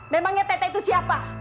memangnya teteh itu siapa